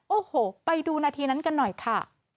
โอ้โหไปดูนาทีนั้นกันหน่อยค่ะ